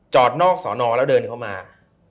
นอกสอนอแล้วเดินเข้ามา